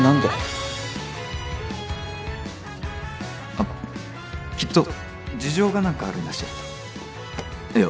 まっきっと事情が何かあるんだしいや